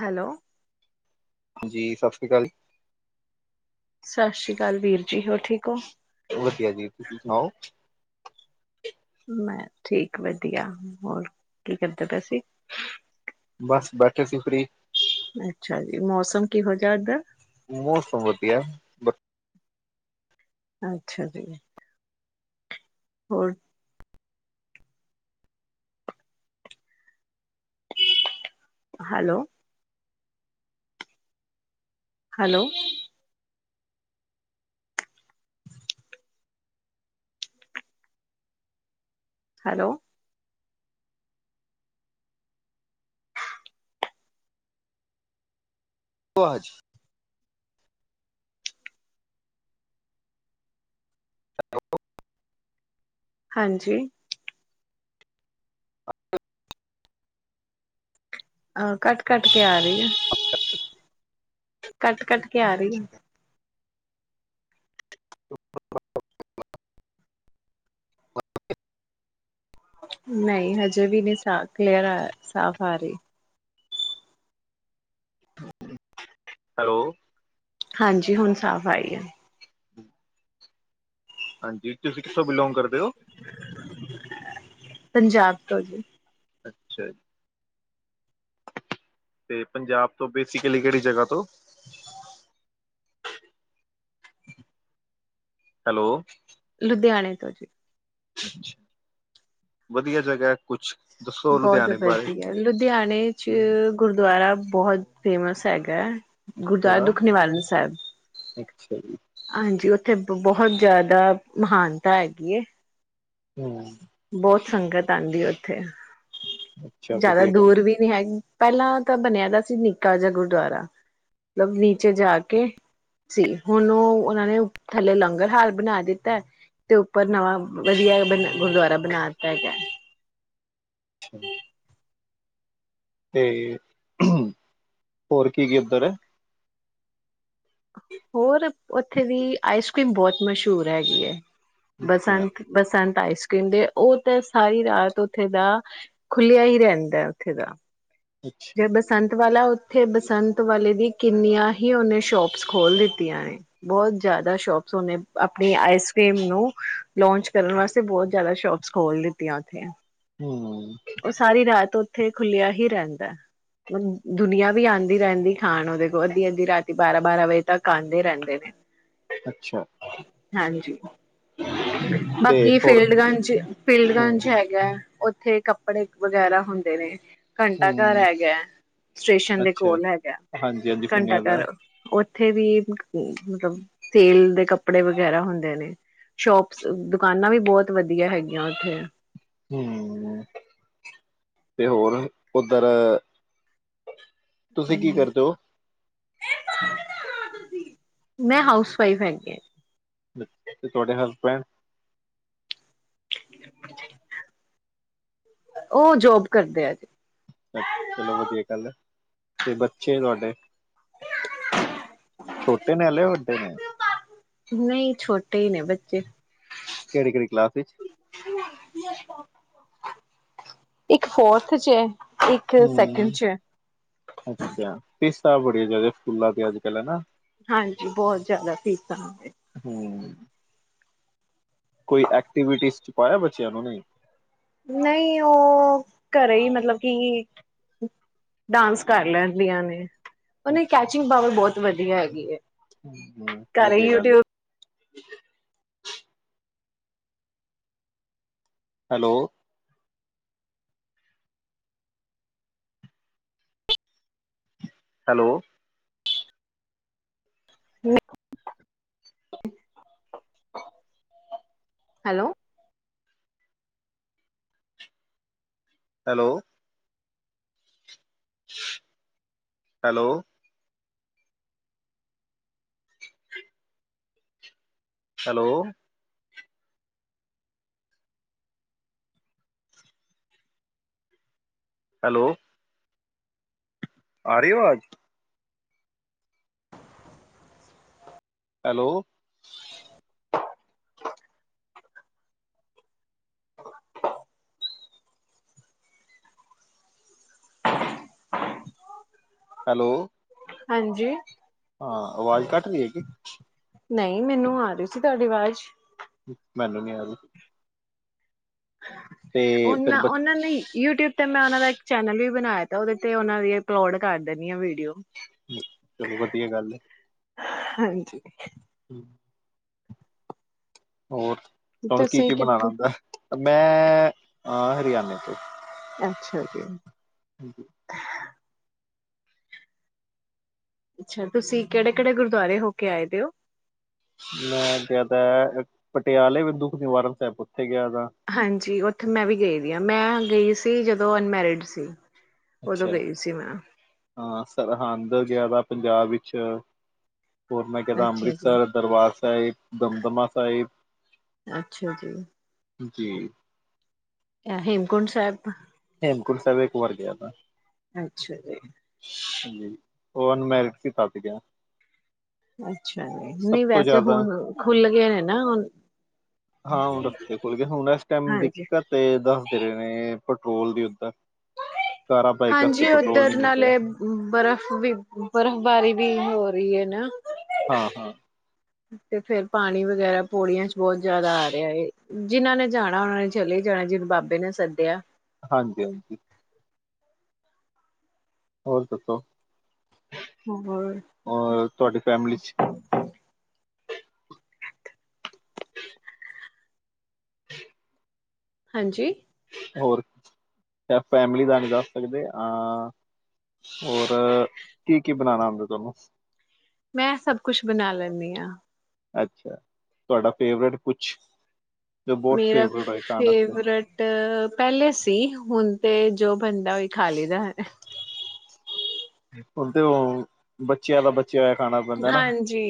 Hello ਜੀ ਸਤ ਸ੍ਰੀ ਆਕਾਲ ਸਤਿ ਸ਼੍ਰੀ ਅਕਾਲ ਵਿਰ ਜੀ ਹੋਰ ਠੀਕ ਹੋ ਵਧੀਆ ਜੀ ਤੁਸੀਂ ਸੁਣਾਓ ਮੈਂ ਠੀਕ ਵਦੀਆ, ਹੋਰ ਕੀ ਕਰਦੇਪਏ ਸੀ ਬਸ ਬੈਠੇ ਸੀ ਫ੍ਰਰੀ ਅੱਛਾ ਜੀ ਮੌਸਮ ਕਿਹੋ ਜਿਹਾ ਇਧਰ ਮੌਸਮ ਵਦੀਆ ਅੱਛਾ ਜੀ ਹੋਰ ਹੈਲੋ ਹੈਲੋ ਹੈਲੋ ਅਛਾ [unintelligible] [unintelligible] ਹਾਂਜੀ ਆਹ ਕੱਟ ਕੱਟ ਕੇ ਆ ਰਹੀ ਆ ਕੱਟ ਕੱਟ ਕੇ ਆ ਰਹੀ ਆ [unintelligible] [unintelligible] ਨਹੀਂ ਹਜੇ ਵੀ ਨਹੀਂ ਸਾ ਕਲੀਅਰ ਸਾਫ਼ ਆ ਰਹੀ ਹੈਲੋ ਹਾਂਜੀ ਹੁਣ ਸਾਫ਼ ਆਈ ਆ ਹਾਂਜੀ ਤੁਸੀਂ ਕਿਸੋ ਬਿਲੋਂਗ ਕਰਦੇ ਹੋ ਪੰਜਾਬ ਤੋਂ ਜੀ ਅੱਛਾ ਜੀ ਤੇ ਪੰਜਾਬ ਤੋਂ ਬੇਸਿਕਲੀ ਕਿਹੜੀ ਜਗ੍ਹਾ ਤੋਂ ਹੈਲੋ, ਲੁਧਿਆਣੇ ਜੀ, ਵਧੀਆ ਜਗ੍ਹਾ ਹੈ। ਕੁਛ ਦੱਸੋ ਬਹੁਤ ਲੁਧਿਆਣੇ ਬਾਰੇ ਵਧੀਆ, ਲੁਧਿਆਣੇ ਚ ਗੁਰਦੁਆਰਾ ਬਹੁਤ ਫੇਮਸ ਹੈਗਾ। ਗੁਰਦੁਆਰਾ ਕਿਹੜਾ ਦੁੱਖ ਨਿਵਾਰਨ ਸਾਹਿਬ। ਅੱਛਾ ਜੀ ਹਾਂਜੀ। ਉੱਥੇ ਬਹੁਤ ਜ਼ਿਆਦਾ ਮਹਾਨਤਾ ਹੈਗੀ। ਹਮ। ਬਹੁਤ ਸੰਗਤ ਆਉਂਦੀ। ਉੱਥੇ ਅੱਛਾ ਜ਼ਿਆਦਾ ਵਧੀਆ ਗੱਲ ਦੂਰ ਵੀ ਨਹੀਂ ਹੈਗੀ। ਪਹਿਲਾਂ ਤਾਂ ਬਣਿਆ ਦਾ ਸੀ ਨਿੱਕਾ ਜਿਹਾ ਗੁਰਦੁਆਰਾ, ਮਤਲਬ ਨੀਚੇ ਜਾ ਕੇ ਸੀ। ਹੁਣ ਉਹ ਉਹਨਾਂ ਨੇ ਥੱਲੇ ਲੰਗਰ ਹਾਲ ਬਣਾ ਦਿੱਤਾ। ਤੇ ਉੱਪਰ ਨਵਾਂ ਵਧੀਆ ਬ ਗੁਰਦੁਆਰਾ ਬਣਾ ਦਿੱਤਾ ਹੈਗਾ। ਅੱਛਾ [unintelligible] ਤੇ, ਹੋਰ ਕੀ -ਕੀ ਉੱਧਰ ਹੈ। ਹੋਰ ਉੱਥੇ ਦੀ ਆਈਸ ਕਰ੍ਰੀਮ ਬਹੁਤ ਮਸ਼ਹੂਰ ਹੈਗੀ ਹੈ। ਅੱਛਾ ਬਸੰਤ- ਬਸਾਂਤ ਆਈਸ ਕਰ੍ਰੀਮ ਦੇ ਉਹ ਤਾਂ ਸਾਰੀ ਰਾਤ ਉੱਥੇ ਦਾ ਖੁੱਲਿਆ ਹੀ ਰਹਿੰਦਾ। ਉੱਥੇ ਦਾ ਅੱਛਾ ਜੇ ਬਸੰਤ ਵਾਲਾ ਓਥੇ ਬਸੰਤ ਵਾਲੀ ਦੀ ਕਿੰਨੀਆਂ ਹੀ ਓਨੇ ਸ਼ੋਪਸ ਖੋਲ ਦਿਤੀਆਂ। ਬਹੁਤ ਜਿਆਦਾ ਸ਼ੋਪਸ ਓਨੇ ਆਪਣੀ ਆਈਸ ਕਰ੍ਰੀਮ ਨੂ ਲਾਂਚ ਕਰਨ ਵਾਸਤੇ ਬੋਹਤ ਜਿਆਦਾ ਸ਼ੋਪਸ ਖੋਲ ਦਿਤੀਆਂ। ਓਥੇ ਹਮ ਉਹ ਸਾਰੀ ਰਾਤ ਹੋ ਉੱਥੇ ਖੁੱਲਿਆ ਹੀ ਰਹਿੰਦਾ। ਮਤ ਦੁਨੀਆਂ ਵੀ ਆਉਂਦੀ ਰਹਿੰਦੀ ਖਾਣ ਉਹਦੇ ਕੋਲ ਅੱਧੀ- ਅੱਧੀ ਰਾਤੀ ਬਾਰਾਂ- ਬਾਰਾਂ ਵਜੇ ਤੱਕ ਆਉਂਦੇ ਰਹਿੰਦੇ ਨੇ। ਅੱਛਾ। ਹਾਂਜੀ। ਤੇ ਬਾਕੀ ਹੋਰ ਫੀਲਡਗੰਚ, ਹਮ ਫੀਲਡਗੰਚ ਹੈਗਾ। ਉੱਥੇ ਕ ਕੱਪੜੇ ਵਗੈਰਾ ਹੁੰਦੇ ਨੇ। ਘੰਟਾ ਘਰ ਹਮ ਹੈਗਾ। ਸਟੇਸ਼ਨ ਦੇ ਅੱਛਾ ਕੋਲ ਹੈਗਾ ਹਾਂਜੀ ਹਾਂਜੀ ਘੰਟਾ ਸੁਣਿਆ ਦਾ ਘਰ ਉੇ ਉਥੇ ਵੀ ਮਤਲਬ ਸੇਲ ਦੇ ਕੱਪੜੇ ਵਗੈਰਾ ਹੁੰਦੇ ਨੇ। ਸ਼ੋਪਸ ਦੁਕਾਨਾਂ ਵੀ ਬਹੁਤ ਵਧੀਆ ਹੈਗੀਆਂ। ਉੱਥੇ ਹਮ। ਤੇ ਹੋਰ, ਉੱਧਰ ਤੁਸੀਂ ਕੀ ਕਰਦੇ ਹੋ? ਮੈਂ ਹਾਊਸ ਵਾਈਫ ਹੈਗੀ। ਤੁਹਾਡੇ ਹਸਬੈਂਡ [inaudible] ਉਹ ਜੋਬ ਕਰਦੇ ਔ। ਜੀ, ਅ ਚਲੋ ਵਧੀਆ ਗੱਲ ਹੈ ਤੇ ਬੱਚੇ ਤੁਹਾਡੇ ਛੋਟੇ ਨੇ ਹਾਲੇ ਵੱਡੇ ਨੇ। ਨਹੀਂ ਛੋਟੇ ਹੀ ਨੇ ਬੱਚੇ ਕਿਹੜੀ ਕਿਹੜੀ ਕਲਾਸ ਵਿੱਚ ਇੱਕ ਫੋਰਥ ਚ ਹੈ ਇੱਕ ਹੂੰ ਸੈਕਿੰਡ ਚ ਫੀਸਾ ਬੜੀਆ ਜਿਆਦਾ ਸਕੂਲਾਂ ਤੇ ਅੱਜ ਕੱਲ੍ਹ ਹਨਾ। ਹਾਂਜੀ ਬਹੁਤ ਜਿਆਦਾ ਫੀਸਾਂ ਹੂੰ ਕੋਈ ਐਕਟੀਵਿਟੀਜ਼ ਚ ਪਾਇਆ ਬੱਚਿਆਂ ਨੂੰ ਨਹੀਂ ਨਹੀਂ ਉਹ ਘਰੇ ਹੀ ਮਤਲਬ ਕਿ ਡਾਂਸ ਕਰ ਲੈਂਦੀਆਂ ਨੇ। ਉਹਨਾ ਦੀ ਅੱਛਾ ਕੈਚਿੰਗ ਪਾਵਰ ਬਹੁਤ ਵਧੀਆ ਹੈਗੀ। ਐ ਹੂੰ ਵਧੀਆ ਗੱਲ [unintelligible] ਹੈਲੋ ਹੈਲੋ ਹੂੰ hello hello hello hello hello ਆ ਰਹੀ ਵਾਜ ਹੈਲੋ ਹੈਲੋ ਹਾਂਜੀ। ਹਾਂ ਆਵਾਜ਼ ਕੱਟ ਰਹੀ ਹੈਗੀ। ਨਹੀਂ ਮੈਨੂੰ ਆ ਰਹੀ ਸੀ ਤੁਹਾਡੀ ਆਵਾਜ਼ ਮੈਨੂੰ ਨੀ ਆ ਰਹੀ। ਤੇ ਫਿਰ ਉਹਨਾਂ ਬ ਉਹਨਾਂ ਨੇ ਯੂਟਿਊਬ ਤੇ ਮੈਂ ਉਹਨਾਂ ਦਾ ਇੱਕ ਚੈਨਲ ਵੀ ਬਣਾਇਆ ਤਾਂ ਉਹਦੇ ਤੇ ਉਹਨਾਂ ਦੀ ਅਪਲੋਡ ਕਰ ਦੇਣੀ ਆ ਵੀਡੀਓ ਚਲੋ ਵਧੀਆ ਗੱਲ ਹੈ। ਹਾਂਜੀ। ਹੂੰ ਹੋਰ ਤੁਹਾਨੂੰ ਕੀ ਤੁਸੀਂ ਕੀ ਕਿ ਬਣਾਣਾ ਆਂਦਾ। ਮੈਂ ਅ ਹਰਿਆਣੇ ਤੋਂ ਅੱਛਾ ਜੀ। ਅੱਛਾ ਤੁਸੀਂ ਕਿਹੜੇ ਕਿਹੜੇ ਗੁਰਦੁਆਰੇ ਹੋ ਕੇ ਆਏ ਦੇ ਹੋ। ਮੈਂ ਜ਼ਿਆਦਾ ਪਟਿਆਲੇ ਬਿੰਦੂ ਦੁਖ ਨਿਵਾਰਨ ਸਾਹਿਬ। ਗਿਆ ਦਾ ਹਾਂਜੀ ਉੱਥੇ ਮੈਂ ਵੀ ਗਈ ਦੀ ਹਾਂ। ਮੈਂ ਗਈ ਸੀ। ਜਦੋਂ ਅਨਮੈਰਿਡ ਸੀ। ਉਦੋਂ ਅੱਛਾ ਗਈ ਸੀ ਮੈਂ ਹਾਂ ਸਰਹੰਦ ਗਿਆ ਦਾ ਪੰਜਾਬ ਵਿੱਚ ਅੱਛਾ ਹੋਰ ਮੈਂ ਗਿਆ ਦਾ ਅੱਛਾ ਜੀ ਅੰਮ੍ਰਿਤਸਰ ਦਰਬਾਰ ਸਾਹਿਬ, ਦਮਦਮਾ ਸਾਹਿਬ ਅੱਛਾ ਜੀ ਜੀ ਅ ਹੇਮਕੁੰਟ ਸਾਹਿਬ ਹੇਮਕੁੰਟ ਸਾਹਿਬ ਇੱਕ ਵਾਰ ਗਿਆ ਦਾ ਅੱਛਾ ਜੀ ਜੀ ਉਹ ਅਨਮੈਰਿਡ ਸੀ ਤਾਂ ਸੀ ਗਿਆ ਅੱਛਾ ਜੀ ਸਭ ਨਹੀਂ ਤੋਂ ਵੈਸੇ ਜ਼ਿਆਦਾ ਹੁਣ ਖੁੱਲ ਗਏ ਨੇ ਨਾ ਹੁਣ ਹਾਂ ਹੁਣ ਦੱਸਦੇ ਖੁੱਲ ਗਏ ਹੁਣ ਇਸ ਟਾਈਮ ਹਾਂਜੀ ਦਿੱਕਤ ਦੱਸਦੇ ਨੇ ਨੇ ਪੈਟਰੋਲ ਦੀ ਉੱਧਰ ਕਾਰਾਂ ਬਾਈਕ ਵਾਸਤੇ ਹਾਂਜੀ ਪੈਟਰੋਲ ਉਧਰ ਨਹੀਂ ਮਿਲ ਰਿਹਾ ਨਾਲੇ ਬਰਫ਼ ਦੀ ਬਰਫ਼ਬਾਰੀ ਵੀ ਹੋਰੀ ਹੋ ਰਹੀ ਏ ਨਾ ਹਾਂ ਹਾਂ ਤੇ ਫੇਰ ਪਾਣੀ ਵਗੈਰਾ ਪੌੜੀਆਂ ਚ ਬਹੁਤ ਜਿਆਦਾ ਆ ਰਿਹਾ ਇਹ ਜਿਨਾਂ ਨੇ ਜਾਣਾ ਉਹਨਾਂ ਨੇ ਚਲੇ ਜਾਣਾ। ਜਿਹਨੂੰ ਬਾਬੇ ਨੇ ਸੱਦਿਆ। ਹਾਂਜੀ ਹਾਂਜੀ। ਹੋਰ ਦੱਸੋ। ਹੋਰ ਹੋਰ ਤੁਹਾਡੀ ਫੈਮਲੀ ਚ [unintelligible] ਹਾਂਜੀ ਹੋਰ ਫੈਮਲੀ ਦਾ ਨਹੀਂ ਜਾ ਸਕਦੇ ਅ ਔਰ ਕੀ ਕੀ ਬਣਾਣਾ ਆਉ [unintelligible] ਮੈਂ ਸਭ ਕੁਛ ਬਣਾ ਲੈਂਦੀ ਆ। ਅੱਛਾ ਤੁਹਾਡਾ ਫੇਵਰੇਟ ਕੁਛ ਜੋ ਬਹੁਤ ਮੇਰਾ ਫੇਵਰੇਟ ਹੋਏ ਖਾਣ ਆਸਤੇ ਫੇਵਰੇਟ ਪਹਿਲੇ ਸੀ ਹੁਣ ਤੇ ਜੋ ਬਣਦਾ ਉਈ ਖਾ ਲਈ ਦਾ ਬਲਦੇ ਹੋ ਬੱਚੇ ਆਲਾ ਬਚ ਹਾਂਜੀ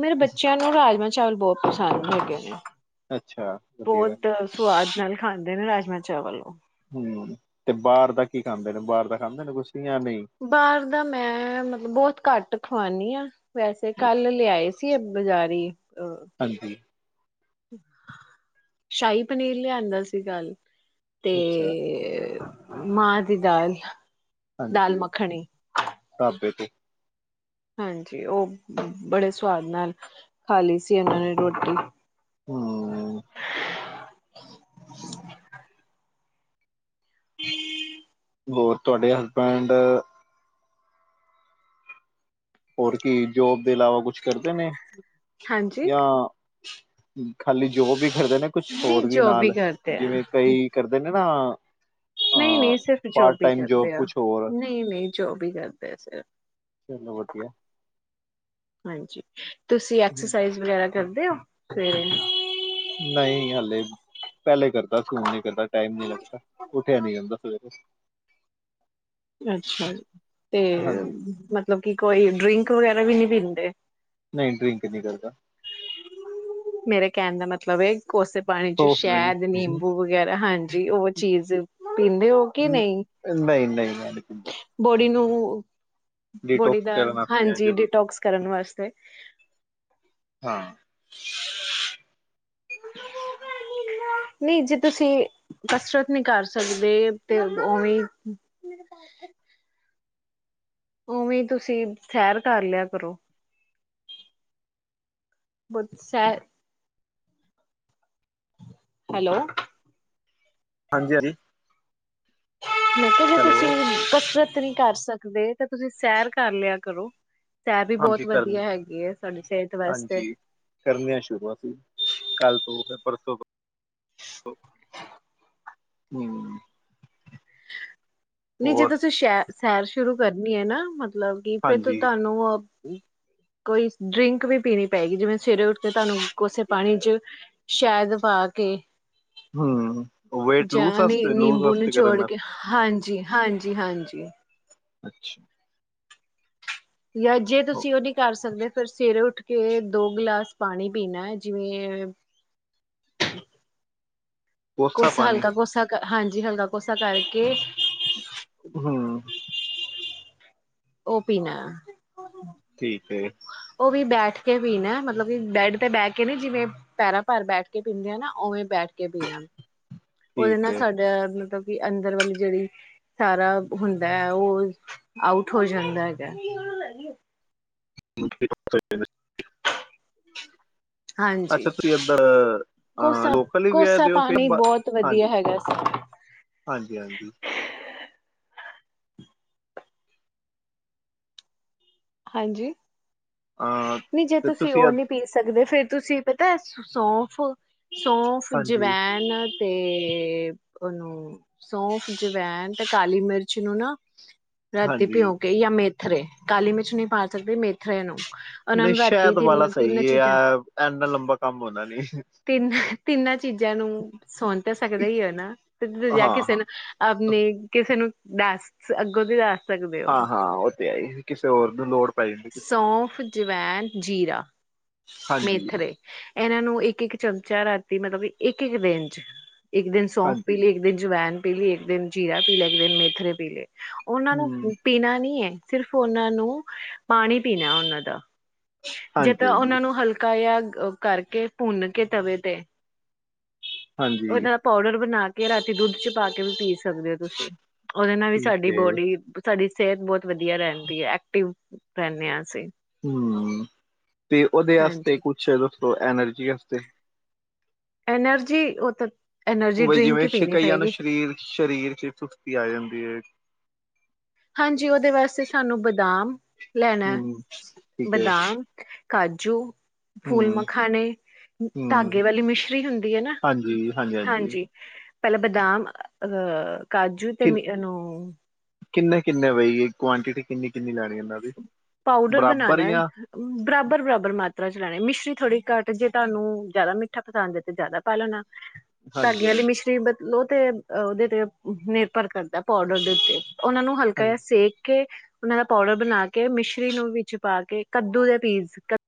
ਮੇਰੇ ਬੱਚਿਆਂ ਨੂੰ ਰਾਜਮਾ ਚਾਵਲ ਬਹੁਤ ਪਸੰਦ ਹੈਗੇ ਨੇ ਅੱਛਾ ਵਧੀਆ ਗੱਲ ਬਹੁਤ ਸਵਾਦ ਨਾਲ ਖਾਂਦੇ ਨੇ ਮੈਂ ਚਾਵਲ ਲੋ ਬਾਹਰ ਦਾ ਕੀ ਖਾਂਦੇ ਨੇ ਬਾਹਰ ਦਾ ਖਾਂਦੇ ਨੇ ਕੁਛ ਜਾਂ ਨਹੀਂ ਬਾਹਰ ਦਾ ਮੈਂ ਮਤਲਬ ਬਹੁਤ ਘੱਟ ਖਵਾਉਣੀ ਆ। [inaudible] ਵੈਸੇ ਕੱਲ ਲਿਆਏ ਸੀ ਬਜ਼ਾਰੀ ਅ ਹਾਂਜੀ ਸ਼ਾਹੀ ਪਨੀਰ ਲਿਆਂਦਾ ਸੀ ਕਲ ਤੇ ਅੱਛਾ ਮਾਂ ਦੀ ਦਾਲ ਦਾਲ ਹਾਂਜੀ ਮੱਖਣੀ ਢਾਬੇ ਤੋ ਹਾਂਜੀ ਉਹ ਬੜੇ ਸਵਾਦ ਨਾਲ ਖਾ ਲਈ ਸੀ। ਇਹਨਾਂ ਨੇ ਰੋਟੀ ਹਮ [inaudible] ਹੋਰ ਤੁਹਾਡੇ ਹਸਬੈਂਡ ਹੋਰ ਕੀ ਜੋਬ ਦੇ ਇਲਾਵਾ ਕੁਛ ਕਰਦੇ ਨੇ ਹਾਂਜੀ ਜਾਂ ਖਾਲੀ ਜੋਬ ਈ ਫਿਰਦੇ ਨੇ ਕੁਛ ਨਹੀਂ ਹੋਰ ਵੀ ਜੋਬ ਹੀ ਨਾਲ ਕਰਦੇ ਆ ਜਿਵੇਂ ਕਈ ਕਰਦੇ ਨੇ ਆ ਨਹੀਂ ਨਹੀਂ ਸਿਰਫ ਜੋਬ ਹੀ ਕਰਦੇ ਆ ਕੁਛ ਹੋਰ ਨਹੀਂ ਨਹੀਂ ਜੋਬ ਹੀ ਕਰਦੇ ਆ ਚਲੋ ਸਿਰਫ ਵਧੀਆ ਹਾਂਜੀ ਤੁਸੀਂ ਐਕਸਸਾਈਜ਼ ਵਗੈਰਾ ਜਾਂਦੇ ਹੋ ਸਵੇਰੇ ਨਹੀਂ ਹਲੇ ਪਹਿਲੇ ਕਰਦਾ ਸੀ। ਹੁਣ ਨੀ ਕਰਦਾ ਟਾਈਮ ਨੀ ਲੱਗਦਾ ਉਠਿਆ ਨਹੀਂ ਜਾਂਦਾ ਸਵੇਰੇ ਅੱਛਾ ਜੀ ਤੇ ਹਾਂਜੀ ਮਤਲਬ ਕਿ ਕੋਈ ਡਰਿੰਕ ਵਗੈਰਾ ਵੀ ਨਹੀ ਪੀਂਦੇ ਨਹੀਂ ਡਰਿੰਕ ਨਹੀਂ ਕਰਦਾ ਮੇਰੇ ਕਹਿਣ ਦਾ ਮਤਲਬ ਹੈ ਕੋਸੇ ਪਾਣੀ ਚ ਸੋਫਟ ਡਰਿੰਕ ਸ਼ਹਿਦ, ਨਹੀਂ ਨਿੰਬੂ ਵਗੈਰਾ ਹਾਂਜੀ ਉਹ ਚੀਜ਼ ਪੀਂਦੇ ਹੋ ਕਿ ਨਹੀਂ ਨਹੀਂ ਮੈਂ ਨੀ ਪੀਂਦਾ ਬੋਡੀ ਨੂੰ ਉਹ ਬੋਡੀ ਡੀਟੋਕਸ ਦਾ ਕਰਨ ਵਾਸਤੇ ਹਾਂਜੀ ਜ਼ਰੂਰੀ ਡੀਟੋਕਸ ਕਰਨ ਵਾਸਤੇ। ਹਾਂ ਨਹੀਂ ਜੇ ਤੁਸੀਂ ਕਸਰਤ ਨਹੀਂ ਕਰ ਸਕਦੇ ਤੇ ਉਵੇਂ ਉਵੇਂ ਤੁਸੀਂ ਸੈਰ ਕਰ ਲਿਆ ਕਰੋ। ਬੁਟ ਸੈਰ ਹੈਲੋ ਹਾਂਜੀ ਹਾਂਜੀ ਮੈਂ ਕਿਹਾ ਜੇ ਤੁਸੀਂ ਹੈਲੋ ਕਸਰਤ ਨਹੀਂ ਕਰ ਸਕਦੇ ਕਦੇ ਤਾਂ ਤੁਸੀਂ ਸੈਰ ਕਰ ਲਿਆ ਕਰੋ। ਸੈਰ ਵੀ ਹਾਂਜੀ ਬਹੁਤ ਕਰਨ, ਵਧੀਆ ਹੈਗੀ ਹੈ ਸਾਡੀ ਸਿਹਤ ਵਾਸਤੇ ਹਾਂਜੀ ਕਰਨੀਆਂ ਸ਼ੁਰੂ ਅਸੀਂ ਕੱਲ ਹੈ ਪਰਸੋਂ ਤੋ ਹੂੰ ਨਹੀਂ ਜੇ ਤੁਸੀਂ ਸ਼ਹਿਦ ਸੈਰ ਸ਼ੁਰੂ ਕਰਨੀ ਐਂ ਨਾ ਮਤਲਬ ਕਿ ਫੇਰ ਹਾਂਜੀ ਤੁਹਾਨੂੰ ਆਹ ਕੋਈ ਡਰਿੰਕ ਵੀ ਪੀਣੀ ਪਏਗੀ, ਜਿਵੇਂ ਸਵੇਰੇ ਉੱਠ ਕੇ ਤੁਹਾਨੂੰ ਕੋਸੇ ਪਾਣੀ ਚ, ਸ਼ਹਿਦ ਪਾ ਕੇ ਹੂੰ ਜਾਂ ਨੀ ਨਿੰਬੂ ਨਿਚੋੜ ਕੇ, ਹਾਂਜੀ। ਹਾਂਜੀ ਹਾਂਜੀ ਅੱਛਾ ਜਾਂ ਜੇ ਤੁਸੀਂ ਉਹ ਨੀ ਕਰ ਸਕਦੇ, ਫੇਰ ਸਵੇਰੇ ਉੱਠ ਕੇ, ਦੋ ਗਲਾਸ ਪਾਣੀ ਪੀਣਾ ਐ, ਜਿਵੇਂ ਕੋਸਾ ਹਲਕਾ ਕੋਸਾ ਕ ਹਾਂਜੀ ਹਲਕਾ ਕੋਸਾ ਕਰਕੇ ਓਹ ਪੀ ਨਾ। ਠੀਕ ਐ। ਵੀ ਬੈਠ ਕੇ ਪੀਣਾ, ਮਤਲਬ ਕਿ ਬੈਡ ਤੇ ਬਹਿ ਕੇ ਨੀ, ਜਿਵੇਂ ਪੈਰਾਂ ਭਰ ਬੈਠ ਕੇ ਪੀਂਦੇ ਆ ਨਾ, ਉਵੇਂ ਬੈਠ ਕੇ ਪੀਣਾ। ਉਹਦੇ ਨਾਲ ਸਾਡਾ ਮਤਲਬ ਕਿ ਅੰਦਰ ਵਾਲੀ ਜਿਹੜੀ ਸਾਰਾ ਹੁੰਦਾ ਐ, ਉਹ ਆਊਟ ਹੋ ਜਾਂਦਾ ਹੈਗਾ। [unintelligible] ਹਾਂਜੀ ਅੱਛਾ, ਤੁਸੀਂ ਉਦਾ ਕੋਸਾ ਲੋਕਲ ਹੀ ਵਿਆਹ ਦੇ ਊ ਕੋਸਾ ਦਿਓ, ਫਿਰ ਪਾਣੀ ਬਾਹਰ, ਬਹੁਤ ਵਧੀਆ ਹਾਂਜੀ ਹੈਗਾ ਸੀ। ਹਾਂਜੀ ਹਾਂਜੀ। ਹਾਂਜੀ ਅਹ, ਨਹੀਂ, ਜੇ ਤੇ ਤੁਸੀਂ ਉਹ ਇੱਧ- ਨੀ ਪੀ ਸਕਦੇ ਫੇਰ ਤੁਸੀਂ ਪਤਾ ਸ ਸੌਫ ਸੌਂਫ, ਹਾਂਜੀ ਜਵੈਨ ਤੇ ਉਹਨੂੰ ਸੌਫ ਜਵਾਇਣ ਤੇ ਕਾਲੀ ਮਿਰਚ ਨੂੰ ਨਾ ਰਾਤੀ ਹਾਂਜੀ ਭਿਉਂਕੇ ਯਾ ਮੇ ਕਾਲੀ ਮਿਰਚ ਕੁਛ ਨਹੀਂ ਪਾ ਸਕਦੇ ਮੇਥਰੇ ਨੂੰ ਉਹਨਾਂ ਨਹੀ ਨੂੰ ਰਾਤੀ ਸ਼ਹਿਦ ਵਾਲਾ ਤਿੰਨ ਤਿੰਨ ਸਹੀ ਹੈ ਚੀਜ਼ਾਂ ਯ ਇਨਾ ਲੰਬਾ ਕੰਮ ਹੋਨਾ ਨੀ। ਤਿੰਨ ਤਿੰਨਾਂ ਚੀਜ਼ਾਂ ਨੂੰ ਸੁਣ ਤਾਂ ਸਕਦੇ ਹੀ ਔ ਨਾ ਤੇ ਜਾ ਹਾਂ ਕਿਸੇ ਹਾਂ ਨੂੰ ਆਪਣੇ ਕਿਸੇ ਨੂੰ [unintelligible] ਹਾਂ-ਹਾਂ ਉਹ ਤੇ ਹੈਈਏ ਕਿਸੇ ਹੋਰ [unintelligible] [unintelligible] ਸੌਂਫ ਜਵੈਨ, ਜੀਰਾ ਹਾਂਜੀ ਮੇਥਰੇ ਇਹਨਾਂ ਨੂੰ ਇੱਕ-ਇੱਕ ਚਮਚਾ ਰਾਤੀ ਮਤਲਬ ਇੱਕ-ਇੱਕ ਦਿਨ ਚ ਇੱਕ ਦਿਨ ਸੌਂਫ ਹਾਂਜੀ ਪੀਲੀ, ਇੱਕ ਦਿਨ ਜਵੈਨ ਪੀਲੀ ਇੱਕ ਦਿਨ ਜੀਰਾ ਪੀ ਲੈ ਇੱਕ ਦਿਨ ਮੇਥਰੇ ਪੀ ਲੈ। ਉਹਨਾਂ ਨੂੰ ਹੂੰ ਪ ਪੀਣਾ ਨੀ ਏ ਸਿਰਫ ਉਹਨਾਂ ਨੂੰ, ਪਾਣੀ ਪੀਣਾ ਉਹਨਾਂ ਦਾ। ਜੇ ਤਾਂ ਹਾਂਜੀ-ਹਾਂਜੀ। ਉਹਨਾਂ [unintelligible] ਕਰਕੇ ਭੁੰਨ ਕੇ ਤਵੇ ਤੇ ਹਾਂਜੀ ਉਹਨਾਂ ਪਾਊਡਰ ਬਣਾ ਘੇ ਰਾਤੀ ਦੁੱਧ ਚ ਪਾ ਕੇ ਵੀ ਪੀ ਸਕਦੇ ਹੋ ਤੁਸੀਂ। ਉਹਦੇ ਨਾਲ ਵੀ ਠੀਕ ਸਾਡੀ ਹੈ ਬੋਡੀ ਬ ਸਾਡੀ ਸਿਹਤ ਬਹੁਤ ਵਧੀਆ ਰਹਿੰਦੀ ਹੈ। ਐਕਟਿਵ ਰਹਿੰਨੇ ਹਾਂ ਅਸੀਂ। ਹਮ। ਤੇ ਉਹਦੇ ਆਸਤੇ ਹਾਂਜੀ ਕੁਛ ਰ ਓਹ ਐਨਰਜੀ ਆਸਤੇ ਐਨਰਜੀ ਓਤ ਬਈ ਜਿਵੇਂ ਸ਼ਕ ਕਈਆਂ ਨੂੰ ਸਰੀਰ ਸਰੀਰ ਚ [unintelligible] ਆ ਜਾਂਦੀ ਹੈ। ਹਾਂਜੀ ਉਹਦੇ ਵਾਸਤੇ ਸਾਨੂੰ ਬਦਾਮ ਲੈਣਾ ਹੇ। ਹਮ ਸ ਠੀਕ ਹੈ ਬਦਾਮ ਕਾਜੂ ਹਮ ਫੂਲ-ਮਖਾਣੇ, ਹਮ ਧਾਗੇ ਵਾਲੀ ਮਿਸ਼ਰੀ ਹੁੰਦੀ ਹੈ ਨਾ, ਹਾਂਜੀ ਫਲ ਬਦਾਮ ਅ ਕਾਜੂ ਤੇ ਕਿ [unintelligible] ਮਨ ਕਿੰਨੇ ਕਿੰਨੇ [unintelligible] ਪਏਗ ਕੁਆਂਟਿਟੀ ਕਿੰਨੀ ਕਿੰਨੀ ਲੈਣੀ ਇਹਨਾਂ ਦੀ। ਪਾਊਡਰ ਬਣਾਣਾ ਬਰਾਬਰ ਜਾਂ ਬਰਾਬਰ, ਬਰਾਬਰ ਮਾਤ ਚਲਾੈਣੇ [unintelligible] ਮਿਰੀ ਥੋੜੀ ਘਟ ਜੇ ਤੁਹਾਨੂੰ ਜ਼ਿਆਦਾ ਮਿੱਠਾ ਪਸੰਦ ਹੈ ਤੇ ਜ਼ਿਆਦਾ ਪਾ ਲੈਣਾ। ਧਾਗੇ ਆਲੀ ਹਾਂਜੀ ਮਿਸ਼ਰੀ ਬ ਉਹ ਤੇ ਉਹਦੇ ਤੇ ਨਿਰਭਰ ਕਰਦਾ ਪਾਓਡਰ ਦੇ ਉੱਤੇ ਉਹਨਾਂ ਨੂੰ ਹਲਕਾ ਜਿਹਾ ਸੇਕ ਕੇ ਉਹਨਾਂ ਦਾ ਪਾਊਡਰ ਬਣਾ ਕੇ ਕੇ ਮਿਸ਼ਰੀ ਨੂੰ ਵਿੱਚ ਪਾ ਕੇ ਕੱਦੂ ਦੇ ਪੀਸ ਕ